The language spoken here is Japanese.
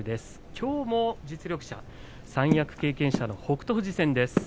きょうも実力者、三役経験者の北勝富士戦です。